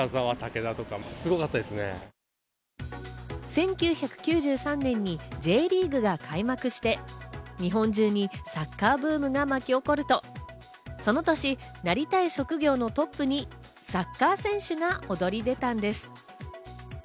１９９３年にＪリーグが開幕して、日本中にサッカーブームが巻き起こると、その年、なりたい職業のトップにサッカー選手が躍り出たのです。